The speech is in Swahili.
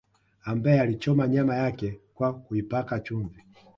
Ambaye aliichoma nyama yake kwa kuipaka chumvi